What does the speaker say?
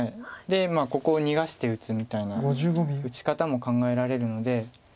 でここを逃がして打つみたいな打ち方も考えられるので。